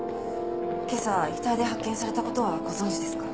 今朝遺体で発見された事はご存じですか？